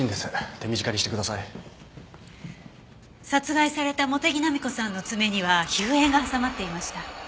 殺害された茂手木浪子さんの爪には皮膚片が挟まっていました。